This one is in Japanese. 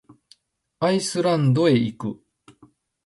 アイスランドへ行く。